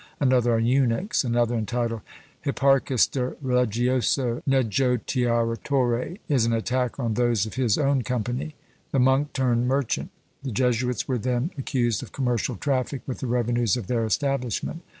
Another on eunuchs. Another entitled Hipparchus de Religioso Negotiatore, is an attack on those of his own company; the monk turned merchant; the Jesuits were then accused of commercial traffic with the revenues of their establishment.